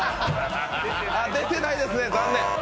あ、出てないですね、残念。